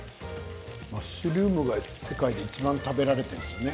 マッシュルームが世界でいちばん食べられているんですよね？